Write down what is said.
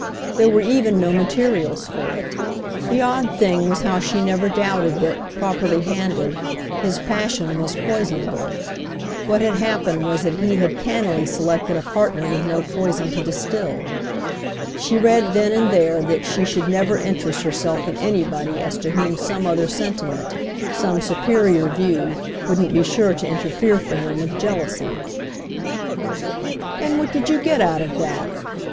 There were even no materials for it. The odd thing was how she never doubted that, properly handled, his passion was poisonable; what had happened was that he had cannily selected a partner with no poison to distil. She read then and there that she should never interest herself in anybody as to whom some other sentiment, some superior view, wouldn't be sure to interfere for him with jealousy. "And what did you get out of that?"